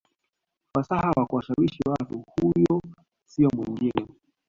ufasaha wa kuwashawishi Watu Huyo siyo mwingine